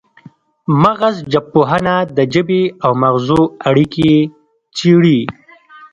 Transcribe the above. مغزژبپوهنه د ژبې او مغزو اړیکې څیړي